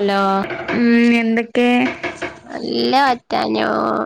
Hello ഉം എന്തൊക്കെ നല്ല വത്താനോം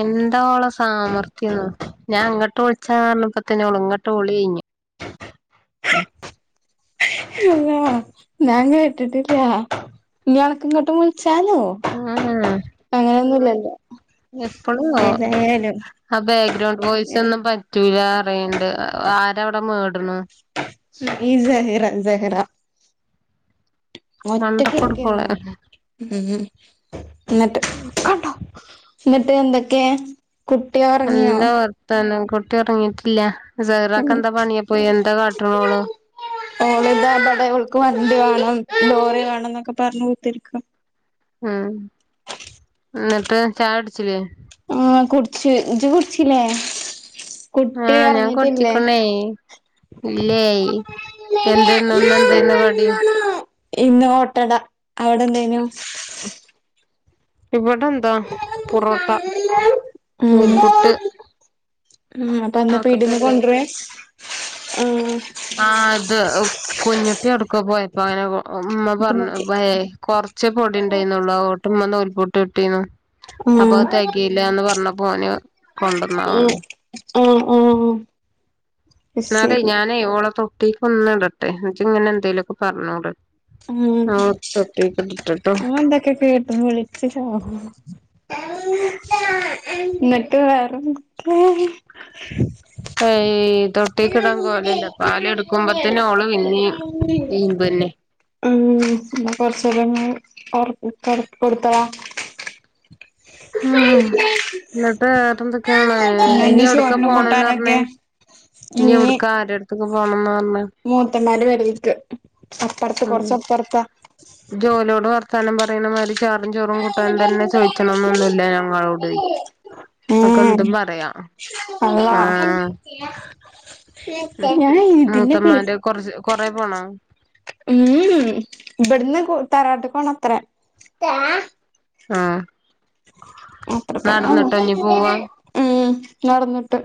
എന്താ ഓളെ സാമർഥ്യന്നോ ഞാൻ അങ്ങട്ട് വിളിച്ചാറഞ്ഞപ്പൊത്തിന് ഓള് ഇങ്ങട്ട് വിളിഴിഞ്ഞ് അള്ളാ ഞാൻ കേട്ട്ട്ട്ല്ല ഇനി അനക്ക് ഇങ്ങട്ടും വിള്ച്ചാലോ ആഹ് അങ്ങനെയൊന്നുലല്ലോ എപ്പളൊ ആ ബാക്ക്ഗ്രൗണ്ട് വോയിസൊന്നും പറ്റൂലറിണ്ട് ആരാ അവ്ടെ മേട്ണ് ഈ സെഹ്‌റൻ സെഹ്‌റ ഒറ്റക്കിരിക്കെന്ന മണ്ടക്കൊടുക്കോളെ ഉം ഇന്നെട്ട് കണ്ടോ ഇന്നെട്ട് എന്തേക്കെ കുട്ട്യേ നല്ല വർത്താനം കുട്ടി ഒറങ്ങിട്ടില്ല സെഹ്റക്കെന്താ പണിയപ്പോ എന്താ കാട്ട്ണോള് ഒള്താ ഇബടെ ഓള്ക്ക് വണ്ടി വാണം ലോറി വാണന്നൊക്കെ പറഞ്ഞ് കുത്തിരിക്ക്ണ് ഉം ഇന്നെട്ട് ചായയുട്ച്ച്ലേ മ്മ് കുടിച്ച് ഇജ്ജ് കുട്ച്ചിലേ കുട്ടി ആഹ് ഞാൻ ഒറങ്ങിട്ടില്ലേ കുടിച്ചിക്ക്ണേ ഇല്ലേ എന്തേന്നു ഇന്നെന്തേന്നു കടി [unintelligible] ഇന്ന് ഓട്ടട അവിടെ എന്തേനു ഉം ഇവടെന്താ പൊറോട്ട ഉം നൂൽപ്പുട്ട് ഉം അപ്പ എന്താ പീടിന്ന് കൊണ്ടരേ ആഹ് ആഹ് അത് കുഞ്ഞുട്ടി എടുക്കൊ പോയപ്പ അങ്ങനെ ഉമ്മ ഇത് പറഞ്ഞ് മതി ഏ കൊറച്ച് ആഹ് പൊടിണ്ടായിന്നോള്ളൂ അതോ ണ്ട് ഇമ്മ നൂൽപ്പുട്ട്ട്ടീന്നു അപ്പൊ ആഹ് അത് തെകീലാന്ന് പറഞ്ഞപ്പോ ഓന് കൊണ്ടന്നാ തോന്ന്ണ് ആഹ് ആഹ് അത് എന്നാലേ ശരി ഞാനേ ഓളെ തൊട്ടീക്ക് ഒന്ന് ഇടട്ടെ ഇജ്ജ് ഇങ്ങനെ എന്തേലൊക്കെ പറഞ്ഞൂട് ആഹ് തൊട്ടീക്ക്ട്ട്ട്ട് ഇങ്ങള് ഇണ്ടാക്ക്യ കേട്ടു [unintelligible] ഇങ്ങക്ക് വേറെ [unintelligible] ഏയ് തൊട്ടിക്ക് ഇടാൻ കോലല്ല പാല് ഇട്ക്കുമ്പോത്തന്നെ വേറെന്തൊക്കെ ഓള് പിന്നിം ഈമ്പെന്നെ ഉം ഇന്നാ കൊറച്ചേരങ്ങള് ഒറ കട് കൊട്ത്താളാ ഹാഹ് ഇന്നെ ട്ട് വേറെന്തൊക്ക്യാണ് പിന്നെ ഇഞ്ഞ് എവിട്ക്കാ പോണന്ന് പറഞ്ഞേ ഇനി ഇഞ്ഞ് എവിടക്ക ആരെടുത്തൊക്കെ പോണംന്ന് പറഞ്ഞ മൂത്തമ്മാന്റെ പെരേക്ക് അപ്പറത്ത് കൊറച്ച പ്പർത്താ ഇജ്ജോലോട് വർത്താനം പറീണമാരി ചാറും ചോറും കൂട്ടാനു തന്നെ ചോയിച്ചണന്നൊന്നുല്ല ഞങ്ങളോടെ ഏഹ് അള്ളാ ആഹ് ഞാൻ ഇതിന്റെ പേ മൂത്തമ്മാന്റെ കൊറച്ച് കൊറെ പോണോ ഉം ഉം ഇബട്ന്ന് കു തറാവാട്ട്ക്കൊണത്രേ ആഹ് അത്ര തന്നെ നടന്ന്ട്ടാഞ്ഞ് പോവാ ഉം നടന്ന്ട്ട്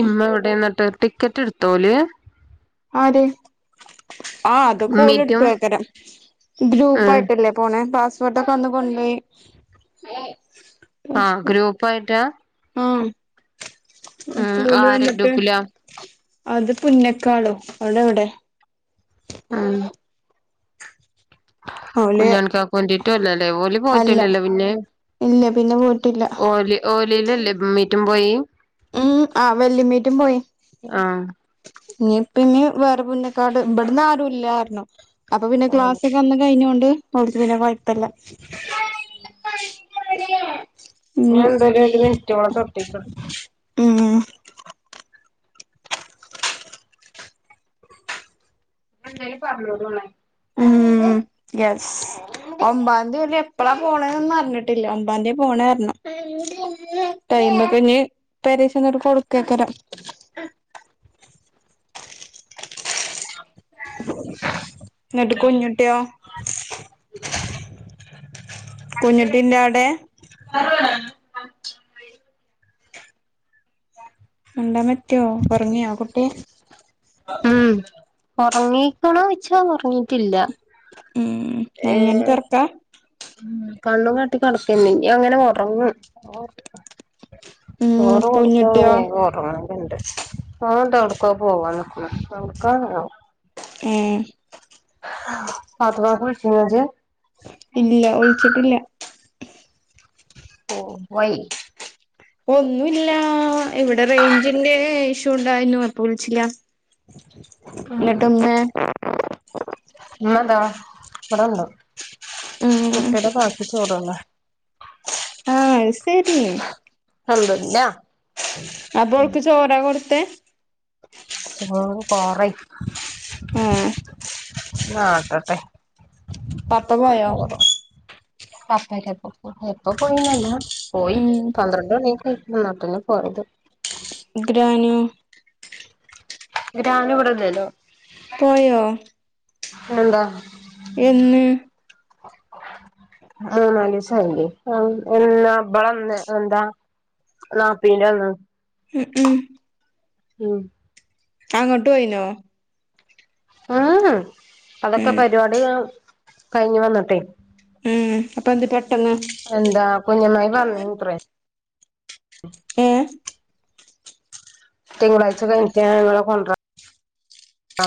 ഇമ്മ എവിടെ എന്നിട്ട് ടിക്കറ്റ് എടുത്തോല് ആര് ആഹ് അതൊക്കെ ഉമ്മീറ്റും ഓലെടുക്കും ക്കര ഉം ഗ്രുപ്പായിട്ടല്ലേ പോണേ പാസ് പോർട്ടൊക്കെ വന്ന് കൊണ്ടോയി ആഹ് ഗ്രൂപ്പ് ആയിട്ടാ ആഹ് അ ഉം പോലു ആരെ എന്നട്ട് ഗ്രൂപ്പിലാ [unintelligible] അത് പുന്നക്കാളോ അവിടെ എവിടെ ഉം ഓല് കുഞ്ഞുണിക്കാക്ക് വേണ്ടിട്ടും അല്ലല്ലേ പോലും അല്ല പോയിട്ടില്ലല്ലോ പിന്നെ ഇല്ല പിന്നെ പോയിട്ടില്ല ഓല് ഓലില്ലല്ലേ മീറ്റും പോയി ഉം ആഹ് വെല്ലിയമ്മീറ്റും പോയി ആഹ് ഇനിപ്പ ഇനി വേറെ പുന്നക്കാട് ഇവിടന്ന് ആരും ഇല്ലായിർന്നു അപ്പൊ പിന്നെ ക്ലാസ് ഒക്കെ വന്ന് കഴിഞ്ഞോണ്ട് അവർക്ക് പിന്നെ കുഴപ്പില്ല ഞാൻ എന്തായാലും ഒരു മിനിറ്റ് ഓളെ തൊട്ടി കെട ഉം എന്തേലും പറഞ്ഞോളു ഉം യെസ് ഒമ്പാം തീയതി എപ്പഴാ പോണെന്നൊന്നും പറഞ്ഞിട്ടില്ല ഒമ്പതാം തീയതി പോണേന്ന് പറഞ്ഞു ടൈമൊക്കേ ഇനി ഏകദേശം കൊടുക്കേക്കരാ എന്നിട്ട് കുഞ്ഞൂട്ടിയോ കുഞ്ഞൂട്ടിന്റെ അവിടെ മിണ്ടാൻ പറ്റോ ഉറങ്ങിയാ കുട്ടി ഉം ഉറങ്ങിക്കണോ വെച്ചാ ഉറങ്ങീട്ടില്ല ഉം അങ്ങനത്തെ ഏഹ് ഉറക്കാ കണ്ണും കാട്ടി കിടക്കന്നെ ഇനി അങ്ങനെ ഉറങ്ങും ഉം ചോറ് കൊടുത്താ അവള് കുഞ്ഞുട്ടിയോ വേഗം ഒറ ആഹ് ഇവ്ടുണ്ട് ഓന് ദേ എവടേക്കൊ പോവാ നിക്കണ് എവ്ടേക്കാന്തോ ഉം പാത്തുമ്മാക്ക് വിളിച്ചീനോ ഇജ്ജ് ഇല്ല വിളിച്ചിട്ടില്ല ഓ വൈ ഒന്നൂല്ല ഇവിടെ റേഞ്ചിന്റെ ഇഷ്യൂ ഉണ്ടായിനു അപ്പൊ വിളിച്ചില്ല എന്നട്ട് മ്മേ മ്മ താ ഇവിടെണ്ട് ഉം കുട്ടിടെ ബാക്കി ചോറ്ന്നാ പൈസ കിട്ടിയില്ലേ അന്ദുന്ന അപ്പോൾക്ക് ചോറാ കൊടുത്തെ ചോറ് കൊറേ ഉം എന്നാ ആട്ടട്ടെ പപ്പ പോയോ പപ്പയൊക്കെ എപ്പോ പോ എപ്പൊ പോയിന്നറീല്ല പോയി ഉം പന്ത്രണ്ട് മണിയൊക്കെ ആയി എന്നാപിന്നെ പോയത് ഗ്രാന്നൂ ഗ്രാനു ഇവിടില്ലല്ലോ പോയോ എന്താ എന്ന് മൂന്നാലീസായില്ലേ ആഹ് എന്ന ഇബള് ന്ന് എന്താ നാപ്പീന്റെന്ന് ഉം ഉം ഉം അങ്ങട്ട് പോയിനോ ഉം ഉം അതൊക്കെ ഉം പരിപാടി ക്കെ കയ്ഞ്ഞു വന്ന്ട്ടെ ഉം അപ്പൊ എന്ത് പെട്ടെന്ന് എന്താ കുഞ്ഞമ്മായി പറഞ്ഞുത്രെ ഏഹ് തിങ്കളാഴ്ച കഴിഞ്ഞിട്ട് ഞങ്ങളെ കൊണ്ടറ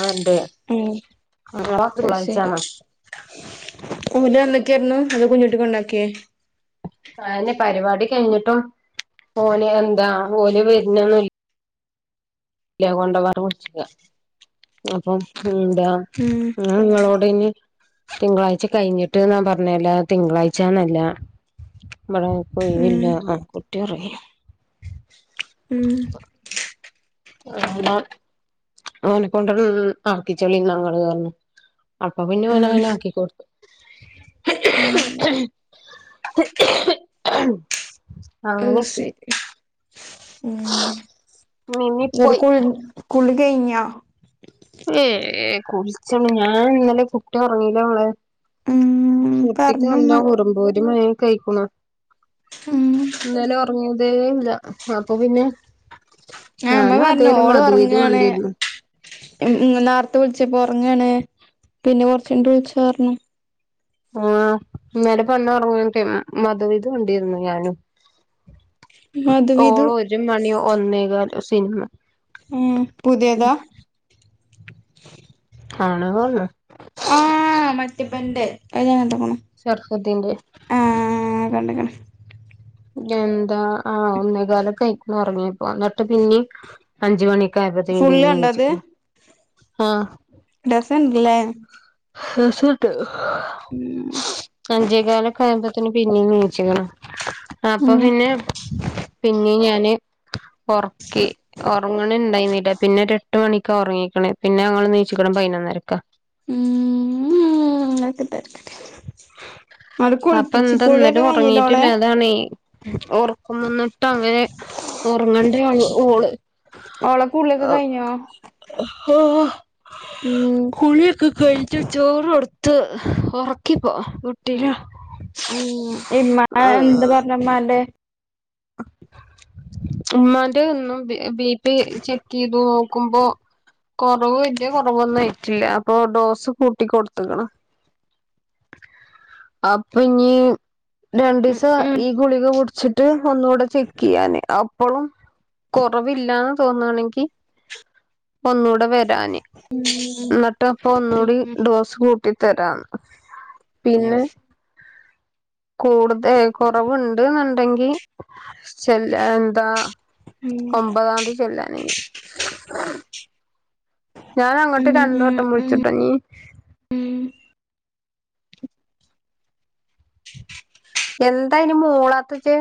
വരണ്ട് ഞങ്ങളെ അഹ് ശരി തിങ്കളാഴ്ചാണ് ഓര് വന്ന ക്കെര്നു അതോ കുഞ്ഞിട്ടി കൊണ്ടാക്കിയേ അയന്നെ പരിപാടി കയ്ഞ്ഞിട്ടും ഓന് എന്താ ഓല് വരുന്നൊന്നല്ല ല്ല കൊണ്ടാകാണ്ട് പർച്ച്ക്ക. അപ്പം എന്താ ഉം ഒന് ങ്ങളോടേനി തിങ്കളാഴ്ച കഴിഞ്ഞിട്ട് ന്നാ പറഞ്ഞേ അല്ലാതെ തിങ്കളാഴ്ചാന്നല്ല ഇവിടെ ഉം പോയിവല്ല ആ കുട്ടി റങ്ങിയോ ഉം ആ ഓനെ കൊണ്ട് ആക്കിചളി ന്നാങ്ങള് ന്നാർഞ്ഞു അപ്പ പിന്നെ ഉം ഓനങ്ങനെ ആക്കി കൊടുത്തു ഉം [inaudible] ആഹ് ശരി ഉം മിന്നി ന്നട്ട് പോയി കു കുളി കെയ്ഞ്ഞോ ഏ കുളിച്ച്ണ് ഞാൻ ഇന്നലെ കുട്ടി ഒ റ്ങ്ങീലവളെ ഉം കുട്ടിക്ക് പറഞ്ഞുമ്മ എന്ധോ കുറുമ്പ് ഒരു മണിയൊക്കെ ആയ്ക്ണ് ഉം ഇന്നലെ ഉറങ്ങതേ ഇല്ല അപ്പൊ പിന്നെ ആഹ് ഉമ്മ ഞാനും അതെരം മധു ഇതു കണ്ടിരുന്നു ഇങ്ങ നേരത്തെ വിളിച്ചപ്പോ ഉറങ്ങാണ് പിന്നെ കൊറച്ചഴിഞ്ഞി ട്ട് വിളിച്ചറഞ്ഞു ആഹ് ഇന്നലെ പന്ന ഉറങ്ങടിമ ധു ഇത് കൊണ്ടിരുന്നു ഞാനും അതും ഇതും ഓള് ഒരു മണി ഒന്നേകാലോ സിനിമ ഉം പുതിയതാ കാണുകല്ല [unintelligible] ആഹ് മറ്റിബന്റെ അഹ്ഞാൻ കണ്ട്ക്ക്ണ് ഷർഫുദ്ധീന്റെ ആഹ് കണ്ടക്ക്ണ് എന്താ ആഹ് ഒന്നേ കാലെക്കെയ്ക്കിണ് ഒറങ്ങിപ്പ ഇന്നട്ട് പിന്നിം അഞ്ച് മണിക്കായപത്തെക്ക് ഫുള്ള് പിന്നിം കണ്ടോ നിച്ച് ഡസൻണ്ട്ല്ലേ ഉം [unintelligible] അഞ്ചേകാല് കൊഅ കുപ്പത്തെക്ക് ന് പിന്നെ നീച്ചിക്കണം അപ്പൊ ഉം പിന്നെ പിന്നെ ഞാന് ഒർക്കി ഉറങ്ങണ ഉണ്ടായി നീല്ല പിന്നെ ഒരു എട് മണിക്കാ ഉറങ്ങീക്കണേ പിന്നെ ങ്ങൾ നീച്ചിക്കണം പൈന്നരക്കാ ഇങ്ങനത്തെ തെരക്കട്ടേ. അപ്പൊ എന്തന്നലെ ഓളെ ഉറങ്ങിട്ടില്ല അതാണേ ഒറക്കം വന്നിട്ട് അങ്ങനെ ഒറങ്ങേണ്ട ഓള് ഓളപ്പ് ഉം കുളിക്കെകഴിഞ്ഞ് ചോറ് കൊട്ത്ത് ഉറക്കിപ്പോ ഉം കുട്ടീനെ ഉം ഇമ്മ എന്താ പറഞ്ഞമ്മന്റെ ഉമാന്റെ ഇന്നും ബി പി ചെക്ക് ചെയ്തു നോക്കുമ്പോ കൊറവ് വല്ല കൊറവൊന്നും ആയിറ്റില്ല അപ്പൊ ഡോസ് കൂട്ടി കൊടുത്ത്ക്ക്ണ് അപ്പഞ്ഞ് ഉം രണ്ടിയിസം ഉം ഈ ഗുളിക കുടിച്ചിട്ട് ഒന്നുകൂടെ ചെക്ക് ചെയ്യാന് അപ്പ പ്പള്ളും കുറവില്ലന്ന് തോന്നണെങ്കിൽ ഒന്നൂടെ വരാന് ഇന്നിട്ട് അപ്പൊ ഒന്നുടി ഡോസ് കൂട്ടി തരാന്ന് പിന്നെ യെസ് കൂടുത കുറവുണ്ട് ന്നുണ്ടെങ്കി ചെല്ല എന്താ ഉം ഒമ്പതാം തീചെല്ലാൻ [inaudible] ഞാൻ അങ്ങോട്ട് രണ്ടുവട്ടം ഉം വിളിച്ചിട്ടോ ഞ്ഞ് ഉം എന്താ ഇനി മൂളാത്തച്ച്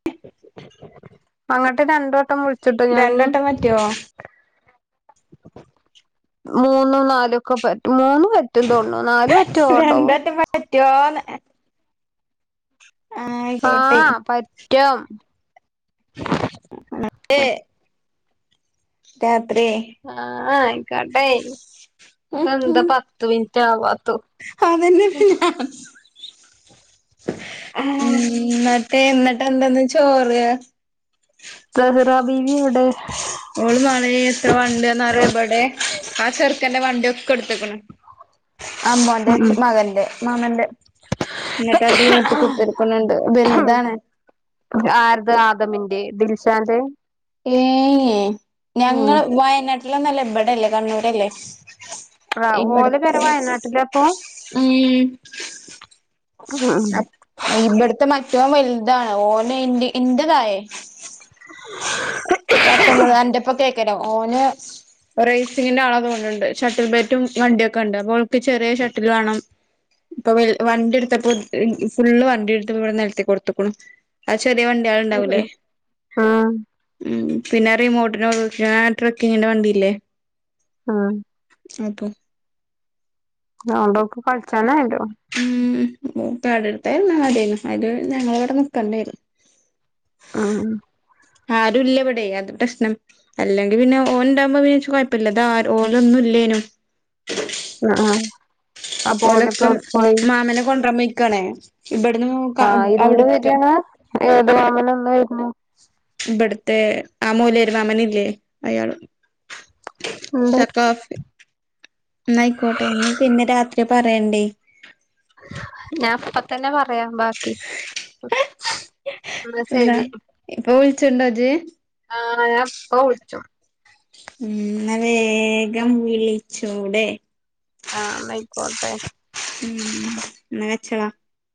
ഉം അങ്ങട്ട് രണ്ടുവോട്ടം വിളിച്ചിട്ടോ ഞാനീനി ട്ടിയോ [unintelligible] മൂന്നും നാലു ഒക്കെ പറ്റും മൂന്നും പറ്റും തൊനുണ്ണു നാല് പറ്റു ഓട്ടോ പറ്റോന്ന് ആയിക്കോട്ടെ ആഹ് പറ്റും [unintelligible] രാത്രി ആഹ ആയിക്കട്ടെ ഇത് എന്താ പത്ത് മിനിറ്റ് ആവാത്തു എ പി [unintelligible] ഉം ഇന്നട്ട് എന്താന്ന് ചോറ് സെഹറ ബീവി ഓടെ ഓള് നള എത്ര വണ്ടന്ന്റിയപടെ ആ ചെറുക്കൻന്റെ വണ്ടിയ ഒക്കെ ഇടുത്ക്ണ്. അമ്മോന്റെ മകന്റെ മകന്റെ എന്നിട്ട് അത് വോട്ട് കൊടുത്തിടുക്കുന്നുണ്ട് വലുതാണ്. ആരുത് ആദമിന്റെ ദിൽശാന്റെ ഏഹ് യേയ് ഞങ്ങ ഉം വയനാട്ടിലന്നല്ല ഇവിടെല്ലേ കണ്ണൂരല്ലേ ആഹ് ഓള പെര ഇവിടത്തെ വയനാട്ടില അപ്പൊ ഉം ഉം അപ്പ് ഇവിടുത്തെ മറ്റ വലുതാണ് ഓനെ ഇന്റെ ഇന്റതായേ പത്തൊമ്പത് എന്റെപ്പൊ കേൾക്കരാ ഓന് റേസിങ്ങിന്റെ ആള കൊണ്ടരുന്നുണ്ട് ഷട്ടിൽ ബാറ്റും വണ്ടിയൊക്കെ ഉണ്ട് അപ്പോ ഓൾക്ക് ചെറിയ ഷട്ടിൽ വേണം. ഇപ്പൊ വണ്ടി എടുത്തപ്പോ ഫുള്ള് വണ്ടി എടുത്തപ്പോ ഇവിടെ നിരത്തി കൊടുത്തക്ക അതു ചെറിയ വണ്ടി ആളുണ്ടാവൂലേ ഉം ഉം പിന്നെ റിമോട്ടിന് ട്രക്കിങ്ങിന്റെ വണ്ടിയില്ലേ ആഹ് അതെ അതോണ്ട് ഓൾക്ക് കളിച്ചാനായല്ലോ ഉം എടുത്തായിരുന്നു അടായിരുന്നു അതില് ഞങ്ങളവിടെ നിൽക്കണ്ടായിരുന്നു ആണോ ആരുല്ലേ ഇവിടെ അത് പ്രശ്നം അല്ലെങ്കിൽ പിന്നെ ഓൻണ്ടാകുമ്പോ പിന്നെ എനിക്ക് കുഴപ്പമില്ല ഇത് ഓന ഒന്നും ഇല്ലേനും ആഹ് ആഹ് അപ്പൊ ഓലൊക്കെ ഓളിപ്പം എവിടെ പോയി മാമനെ കൊണ്ടക്കാൻ മനിക്കയാണേ ഇവിടുന്ന് ഏതു മാമൻ ഇവിടുത്തെ ആ മൊയലാളി മാമൻ ഇല്ലേ അയാള് ഉണ്ടായിരിക്കും എന്നാ ആയിക്കോട്ടെ പിന്നെ രാത്രി പറയണ്ടേ ഞാൻ അപ്പ തന്നെ പറയാം ബാക്കി എന്നാ ഇല്ല ശരി ഇപ്പൊ വിളിച്ചണ്ടോ ഇജ്ജ് ആണോ ഞാൻ ഇപ്പൊ വിളിചോളൂ എന്ന വേഗം വിളിച്ചൂടെ ആഹ് ആയിക്കോട്ടെ ഉം എന്നാ അയച്ചേള